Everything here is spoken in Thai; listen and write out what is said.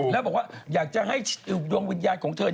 แล้วบอกว่าอยากจะให้ดวงวิญญาณของเธอ